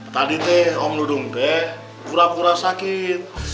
tadi om dudung kura kura sakit